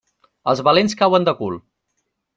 Els valents cauen de cul.